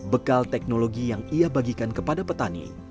bekal teknologi yang ia bagikan kepada petani